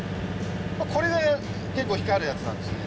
これが結構光るやつなんですね。